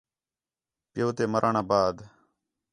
پِیّو تے مرݨ آ بعد